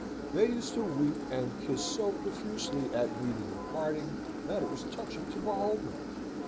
They used to weep and kiss so profusely at meeting and parting, that it was touching to behold them.